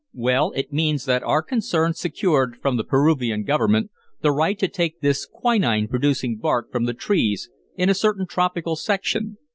"Well, it means that our concern secured from the Peruvian government the right to take this quinine producing bark from the trees in a certain tropical section.